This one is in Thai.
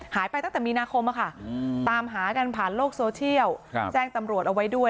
หายไปตั้งแต่มีนาคมตามหากันผ่านโลกโซเชียลแจ้งตำรวจเอาไว้ด้วย